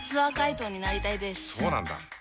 そうなんだ。